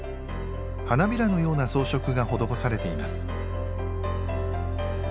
花びらのような装飾が施されています。